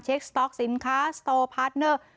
สต๊อกสินค้าสโตพาร์ทเนอร์